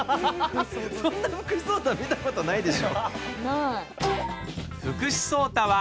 そんな福士蒼汰見たことないでしょ？